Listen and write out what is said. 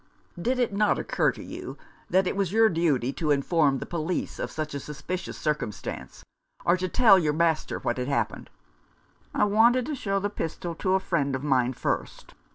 "Did it not occur to you that it was your duty to inform the police of such a suspicious 150 At Bow Street. circumstance, or to tell your master what had happened ?" "I wanted to show the pistol to a friend of mine first."